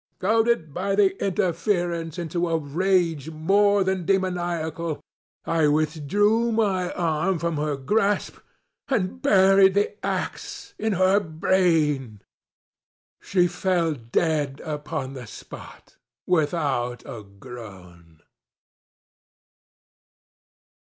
Goaded, by the interference, into a rage more than demoniacal, I withdrew my arm from her grasp and buried the axe in her brain. She fell dead upon the spot, without a groan.